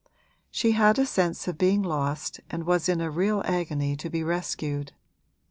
She had a sense of being lost and was in a real agony to be rescued.